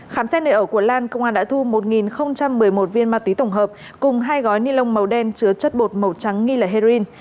khám xét nơi ở của lan công an đã thu một một mươi một viên ma túy tổng hợp cùng hai gói ni lông màu đen chứa chất bột màu trắng nghi là heroin